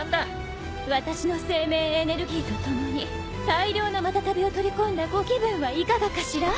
私の生命エネルギーと共に大量のマタタビを取り込んだご気分はいかがかしら？